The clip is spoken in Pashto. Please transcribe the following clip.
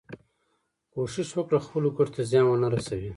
کوښښ وکړه خپلو ګټو ته زیان ونه رسوې.